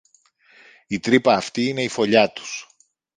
Η τρύπα αυτή είναι η φωλιά τους